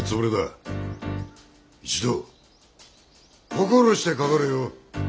一同心してかかれよ。